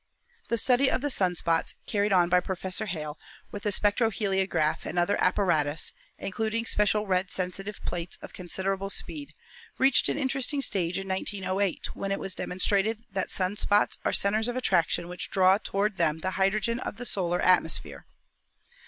The study of the sun spots carried on by Professor Hale with the spectroheliograph and other apparatus, including special red sensitive plates of considerable speed, reached an interesting stage in 1908, when it was demonstrated that sun spots are centers of attraction which draw toward them the hydrogen of the solar atmosphere.